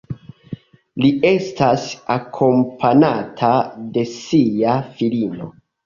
Li estas akompanata de sia filino.